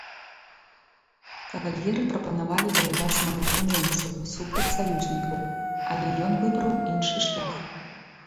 Кавальера прапанавалі ваяваць на баку немцаў супраць саюзнікаў, але ён выбраў іншы шлях.